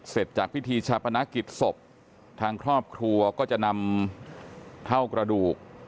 เสร็จจากพิธีชาปนกิจศพทางครอบครัวก็จะนำเท่ากระดูก